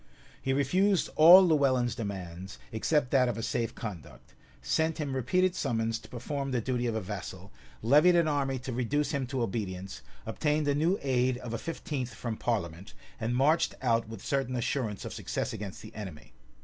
He refused all Lewellyn's demands, except that of a safe conduct; sent him repeated summons to perform the duty of a vassal; levied an army to reduce him to obedience; obtained a new aid of a fifteenth from parliament; and marched out with certain assurance of success against the enemy.